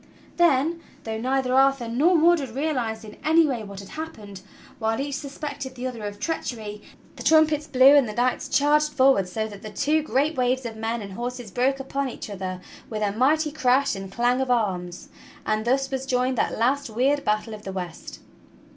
Then, though 150 TUE STORY OF KING ARTHUR neither Arthur nor Mordred realized in anj'^ way what had happened, while each suspected the other of treachery', the trumpets blew and the knights charged forward so that the two great waves of men and horses broke upon each other with a mighty crash and clang of arms — and thus was joined that last weird battle of the west.